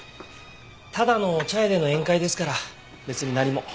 ただの茶屋での宴会ですから別に何も。